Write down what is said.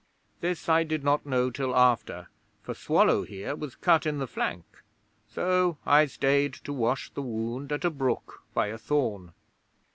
This I did not know till after, for Swallow here was cut in the flank, so I stayed to wash the wound at a brook by a thorn.